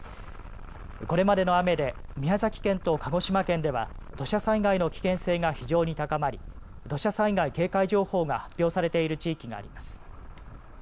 これまでの雨で宮崎県と鹿児島県では土砂災害の危険性が非常に高まり土砂災害警戒情報が発表されている地域があります。